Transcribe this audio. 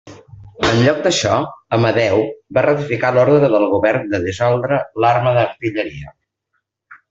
En lloc d'això, Amadeu va ratificar l'ordre del govern de dissoldre l'arma d'artilleria.